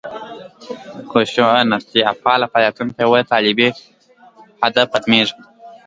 خشونتپاله فعالیتونه په یوه طالبي هدف ختمېږي.